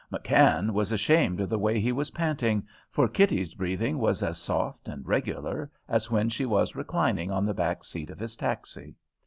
McKann was ashamed of the way he was panting, for Kitty's breathing was as soft and regular as when she was reclining on the back seat of his taxi.